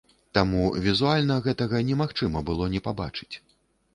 Таму візуальна гэтага немагчыма было не пабачыць.